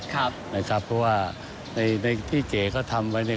ครับนะครับเพราะว่าในในที่เก๋เขาทำไว้เนี่ย